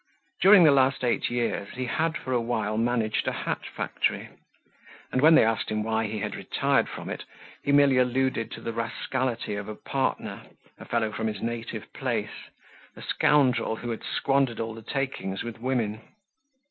During the last eight years he had for a while managed a hat factory; and when they asked him why he had retired from it he merely alluded to the rascality of a partner, a fellow from his native place, a scoundrel who had squandered all the takings with women.